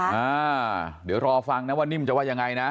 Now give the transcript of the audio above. อ่าเดี๋ยวรอฟังนะว่านิ่มจะว่ายังไงนะ